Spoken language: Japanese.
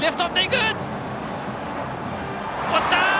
落ちた！